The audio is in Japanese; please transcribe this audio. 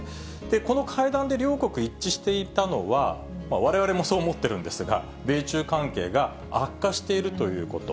この会談で両国一致していたのは、われわれもそう思ってるんですが、米中関係が悪化しているということ。